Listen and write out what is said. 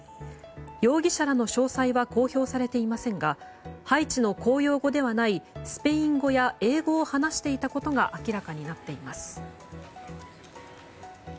容疑者らの詳細は公表されていませんがハイチの公用語ではないスペイン語や英語を話していたことが明らかになっています。